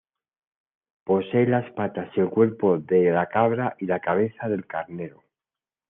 Posee las patas y el cuerpo de la cabra y la cabeza del carnero.